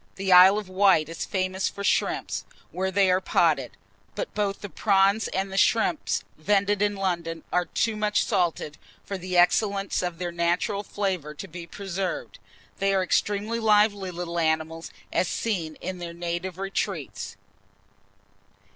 The Isle of Wight is famous for shrimps, where they are potted; but both the prawns and the shrimps vended in London, are too much salted for the excellence of their natural flavour to be preserved. They are extremely lively little animals, as seen in their native retreats.